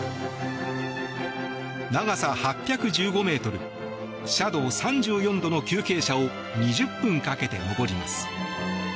長さ８１５ｍ、斜度３４度の急傾斜を２０分かけて上ります。